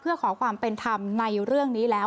เพื่อขอความเป็นธรรมในเรื่องนี้แล้ว